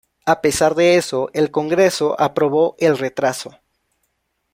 A pesar de eso, el Congreso aprobó el retraso.